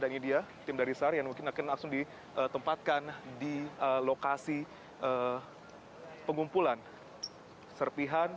dan ini dia tim dari sar yang mungkin akan langsung ditempatkan di lokasi pengumpulan serpihan